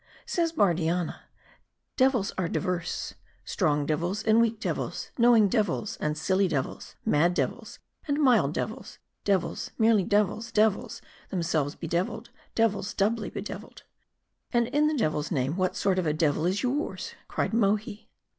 Says Bardianna, ' Devils are divers ; strong devils, and weak devils ; knowing devils, and silly devils ; mad devils, and mild devils ; devils, merely devils ; devils, them selves bedeviled ; devils, doubly bedeviled.' " "And in the devil's name, what sort of a devil is yours?" cried Mohi.